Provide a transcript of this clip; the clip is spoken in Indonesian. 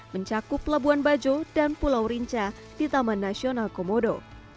mencakup labuan bajo dan pulau rinca di taman nasional komodo